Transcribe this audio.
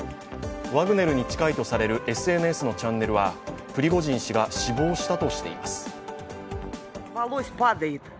ワグネルに近いとされるＳＮＳのチャンネルは、プリゴジン氏が死亡したとしています。